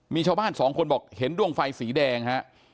มีชาวบ้านสองคนบอกเห็นดวงไฟสีแดงฮะ